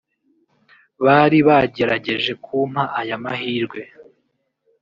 bari bagerageje kumpa aya mahirwe